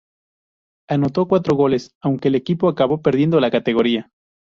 Anotó cuatro goles, aunque el equipo acabó perdiendo la categoría.